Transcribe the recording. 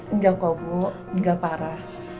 enggak kok bu enggak parah